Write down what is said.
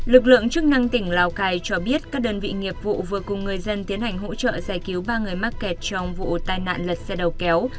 lực lượng chức năng tỉnh lào cai cho biết các đơn vị nghiệp vụ vừa cùng người dân tiến hành hỗ trợ giải cứu ba người mắc kẹt trong vụ tai nạn lật xe đầu kéo